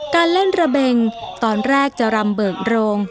การเล่นระเบงตอนแรกจะรำเบิกโรง